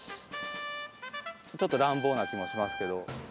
ちょっと乱暴な気もしますけど。